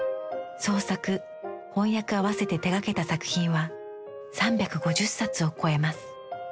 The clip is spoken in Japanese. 創作翻訳合わせて手がけた作品は３５０冊を超えます。